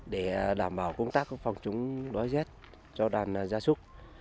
để đảm bảo công tác phòng chống đói rét cho đàn gia súc